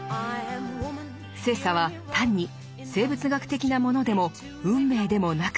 性差は単に生物学的なものでも運命でもなく